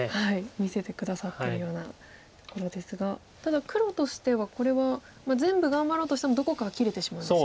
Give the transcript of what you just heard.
見せて下さってるようなところですがただ黒としてはこれは全部頑張ろうとしてもどこかは切れてしまうんですよね。